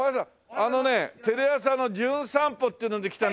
あのねテレ朝の『じゅん散歩』っていうので来たね